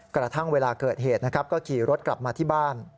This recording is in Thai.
กระทั่งเวลาเกิดเหตุนะครับก็ขี่รถกลับมาที่บ้าน